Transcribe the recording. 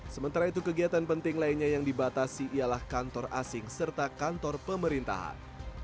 sementara itu kegiatan penting lainnya yang dibatasi ialah kantor asing serta kantor pemerintahan